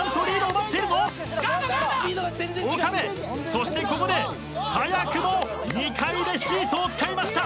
そしてここで早くも２回目シーソーを使いました。